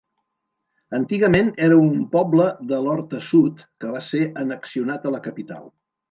Antigament era un poble de l'Horta Sud que va ser annexionat a la capital.